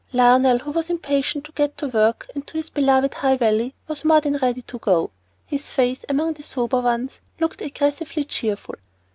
Lionel, who was impatient to get to work and to his beloved High Valley, was more than ready to go. His face, among the sober ones, looked aggressively cheerful.